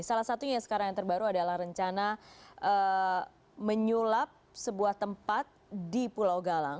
salah satunya sekarang yang terbaru adalah rencana menyulap sebuah tempat di pulau galang